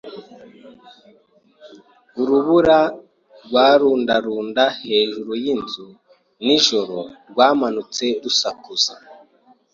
Urubura rwarundarunda hejuru yinzu hejuru nijoro rwamanutse rusakuza.